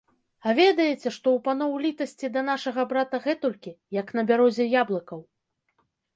А ведаеце, што ў паноў літасці да нашага брата гэтулькі, як на бярозе яблыкаў.